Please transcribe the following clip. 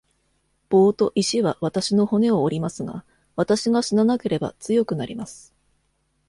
棒と石は私の骨を折りますが、私が死ななければ強くなります。